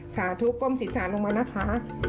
สาธุกลมศิษย์สาลงมานะคะ